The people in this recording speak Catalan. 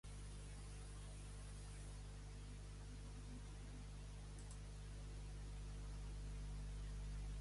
No tenir fa rumiar i tenir fa cavil·lar.